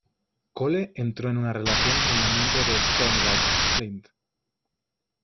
Cole entró en una relación con la miembro de Stormwatch, Flint.